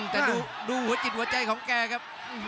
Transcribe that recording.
แต่ดูหัวจิตหัวใจของแกครับ